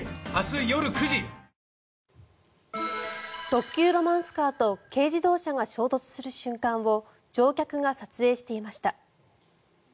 特急ロマンスカーと軽自動車が衝突する瞬間を乗客が撮影していました。